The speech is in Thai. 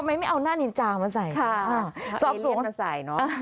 เพราะไม่เอาหน้านิจามาใส่นะค่ะเอเลียนมาใส่เนอะ